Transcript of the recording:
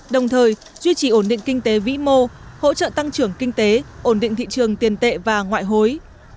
đồng thời duy trì ổn định kinh tế vĩ mô hỗ trợ tăng trưởng kinh tế ổn định thị trường tiền tệ và ngoại hối